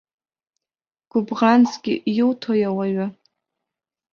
Гәыбӷансгьы, иуҭои ауаҩы?